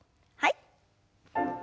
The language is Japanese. はい。